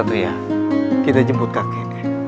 satu ya kita jemput kakek nih